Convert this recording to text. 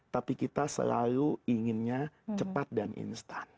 tapi kita selalu inginnya cepat dan instan